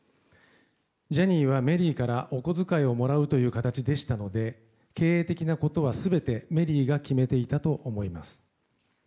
ジャニーはメリーからお小遣いをもらうという形でしたので経営的なことは全てメリーが決めていたと思います。